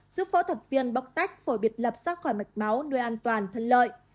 giúp phẫu thuật viên bóc tách phổi biệt lập ra khỏi mạch máu nơi an toàn thân lợi